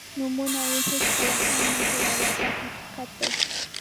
نومونه یې هېڅکله هم مه هېروه دا حقیقت دی.